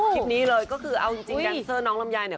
คลิปนี้เลยก็คือเอาจริงแดนเซอร์น้องลำไยเนี่ย